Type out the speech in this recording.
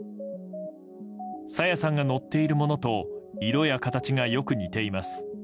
朝芽さんが乗っているものと色や形がよく似ています。